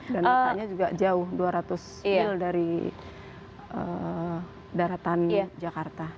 dan matanya juga jauh dua ratus mil dari daratan jakarta